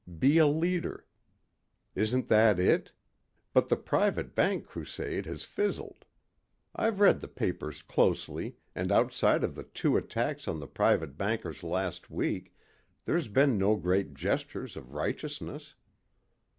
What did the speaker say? Be a leader. Isn't that it. But the private bank crusade has fizzled. I've read the papers closely and outside of the two attacks on the private bankers last week, there've been no great gestures of righteousness.